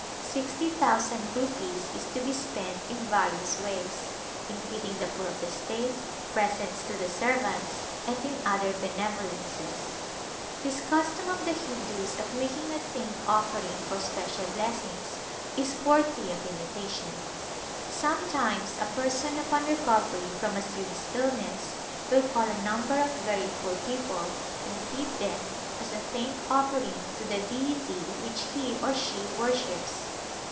Sixty thousand rupees is to be spent in various ways; in feeding the poor of the state, presents to the servants, and in other benevolences. This custom of the Hindus of making a thank offering for special blessings is worthy of imitation. Some times a person upon recovery from a serious illness will call a number of very poor people and feed them as a thank offering to the deity which he or she wor ships.